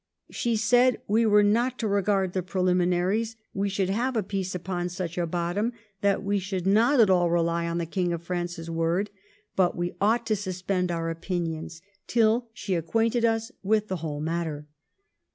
She said, we were not to regard the prehminaries ; we should have a peace upon such a bottom, that we should not at all rely on the Xing of France's word ; but we ought to suspend our opinions, till she acquainted us with the whole matter.